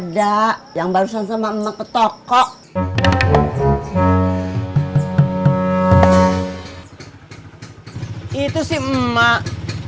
disini emang gak ada yang namanya icih mak